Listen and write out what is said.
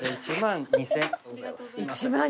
１万２，０００。